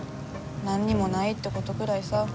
何にもないってことぐらいさ。